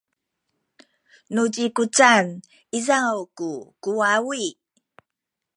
nu zikuzan izaw ku kuwawi